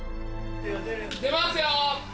出ますよ！